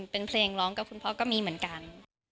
เป็นเพลงร้องกับคุณพ่อก็มีเหมือนกัน